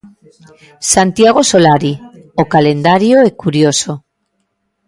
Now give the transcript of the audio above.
Santiago Solari: O calendario é curioso.